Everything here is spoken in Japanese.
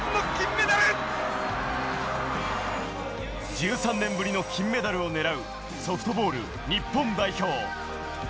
１３年ぶりの金メダルをねらうソフトボール日本代表。